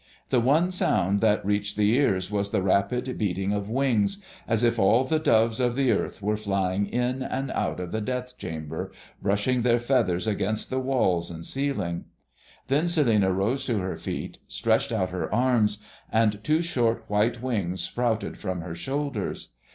The one sound that reached the ear was the rapid beating of wings, as if all the doves of the earth were flying in and out of the death chamber, brushing their feathers against the walls and ceiling. Then Celinina rose to her feet, stretched out her arms, and two short white wings sprouted from her shoulders.